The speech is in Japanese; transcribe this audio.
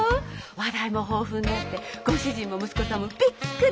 話題も豊富になってご主人も息子さんもびっくり！